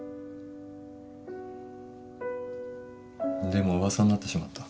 でも噂になってしまった。